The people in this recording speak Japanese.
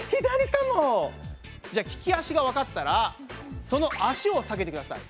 じゃ利き足がわかったらその足を下げてください。